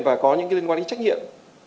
và có những liên quan đến trách nhiệm